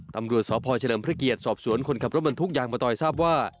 ตำรวจสพเฉลิมพระเกียรติสอบสวนคนขับรถบรรทุกยางมะตอยทราบว่า